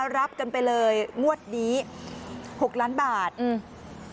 รับกันไปเลยงวดนี้หกล้านบาทอืม